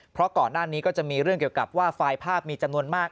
เพราะก่อนหน้านี้ก็จะมีเรื่องเกี่ยวกับว่าไฟล์ภาพมีจำนวนมาก